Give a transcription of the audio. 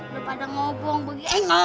daripada ngobong begini